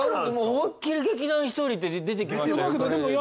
思いっきり劇団ひとりって出てきましたよ。